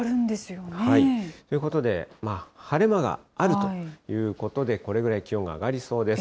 ということで、晴れ間があるということで、これぐらい気温が上がりそうです。